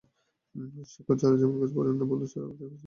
শিকড় ছাড়া যেমন গাছ বাড়ে না, বন্ধু ছাড়াও এদেশবাসীর জীবন এগোয় না।